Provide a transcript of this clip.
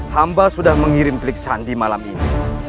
hamba sudah mengirim klik sandi malam ini